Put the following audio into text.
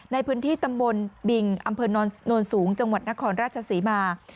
ในพื้นที่ตำบลบิงอำเภอโนนสูงจังหวัดนครราชศรีมา